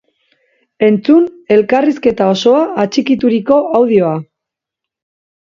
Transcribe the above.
Entzun elkarrizketa osoa atxikituriko audioa!